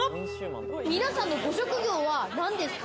皆さんのご職業は何ですか？